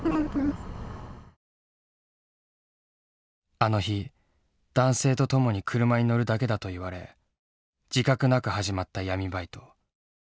あの日男性と共に車に乗るだけだと言われ自覚なく始まった闇バイト。